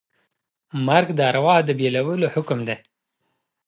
مرګ د ارواح د بېلولو حکم دی.